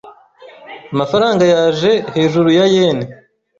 Amafaranga yaje hejuru ya yen .